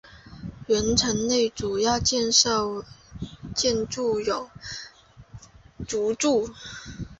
原城内主要建筑有县署等。